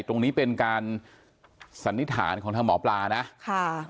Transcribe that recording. ตรงนี้เป็นการสันนิษฐานของทางหมอปลานะค่ะ